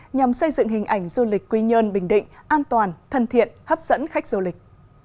nhằm xây dựng hình ảnh du lịch quy nhơn bình định an toàn thân thiện hấp dẫn khách du lịch